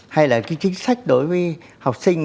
hay là cái chính sách đối với học sinh